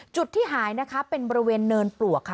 จุดที่หายนะคะเป็นบริเวณเนินปลวกค่ะ